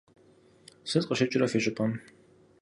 Сыт къыщыкӏрэ фи щӏыпӏэм?